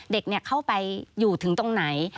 เด็กเข้าไปอยู่ถึงตรงไหน